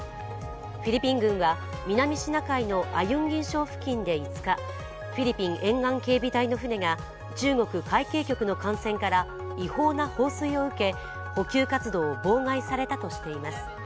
フィリピン軍は南シナ海のアユンギン礁付近で５日、フィリピン沿岸警備隊の船が中国海警局の艦船から違法な放水を受け、補給活動を妨害されたとしています。